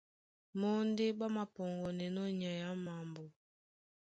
Mɔ́ ndé ɓá māpɔŋgɔnɛnɔ́ nyay á mambo.